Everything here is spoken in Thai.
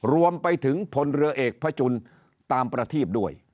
รวมไปถึงพลเรือเอกพระจุลตามประทีบด้วย